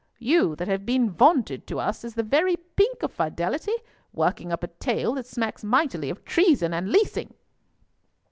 You, that have been vaunted to us as the very pink of fidelity, working up a tale that smacks mightily of treason and leasing!"